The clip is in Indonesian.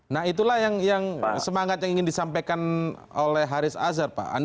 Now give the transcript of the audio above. nah itulah yang semangat yang ingin disampaikan oleh haris azhar pak